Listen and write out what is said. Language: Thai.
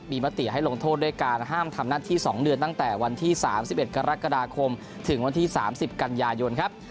มีมติให้ลงโทษด้วยการห้ามทำหน้าที่๒เดือนตั้งแต่วันที่๓๑กรกฎาคมถึงวันที่๓๐กันยายนครับ